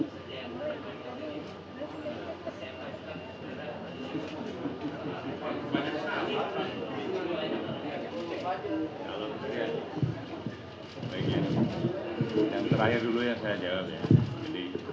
kita beri orang yang aktif